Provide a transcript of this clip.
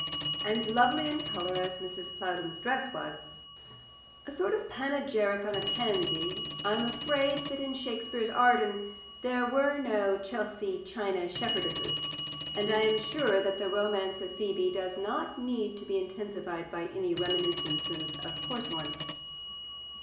And lovely in colour as Mrs. Plowden's dress was, a sort of panegyric on a pansy, I am afraid that in Shakespeare's Arden there were no Chelsea China Shepherdesses, and I am sure that the romance of Phebe does not need to be intensified by any reminiscences of porcelain.